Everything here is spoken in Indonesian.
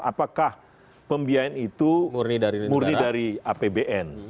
apakah pembiayaan itu murni dari apbn